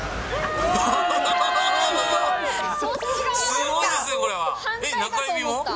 すごいですね、これは。中指も？